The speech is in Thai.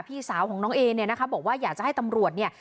พี่สาวของน้องเอเนี่ยนะคะบอกว่าอยากจะให้ตำรวจเนี่ย